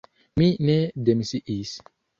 Mi ne demisiis.